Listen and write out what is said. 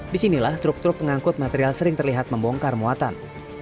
disinilah truk truk pengangkut material sering terlihat membongkar muatan